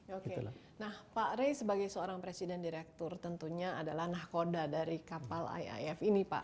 oke nah pak rey sebagai seorang presiden direktur tentunya adalah nahkoda dari kapal iif ini pak